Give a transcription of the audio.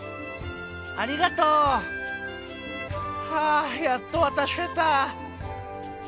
ありがとう！はあやっとわたせた。